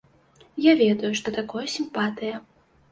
Я ведаю, што такое сімпатыя.